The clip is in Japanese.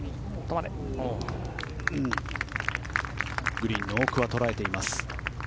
グリーンの奥は捉えています。